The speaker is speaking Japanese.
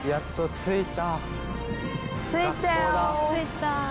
着いた。